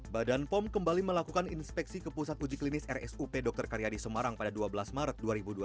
badan pom kembali melakukan inspeksi ke pusat uji klinis rsup dr karyadi semarang pada dua belas maret dua ribu dua puluh